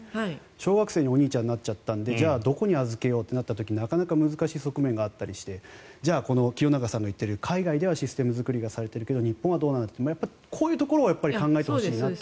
小学生にお兄ちゃんはなっちゃったのでどこに預けようかというと難しい側面があったりして清永さんが言っているように海外ではシステム作りがされているけど日本はどうなんだとこういうところを考えてほしい。